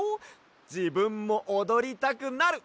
じぶんもおどりたくなる！